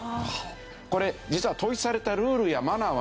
これ実は統一されたルールやマナーはないんですよね。